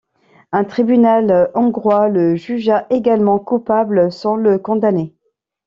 Un tribunal hongrois le jugea également coupable sans le condamner.